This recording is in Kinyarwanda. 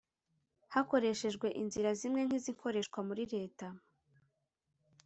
hakoreshejwe inzira zimwe nk izikoreshwa muri leta